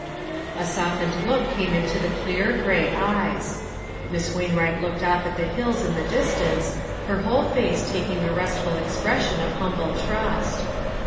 A softened look came in the clear, gray eyes. Miss Wainwright looked off at the hills in the distance, her whole face taking a restful expression of humble trust.